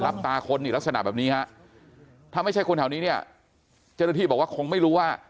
ตาคนนี่ลักษณะแบบนี้ฮะถ้าไม่ใช่คนแถวนี้เนี่ยเจ้าหน้าที่บอกว่าคงไม่รู้ว่า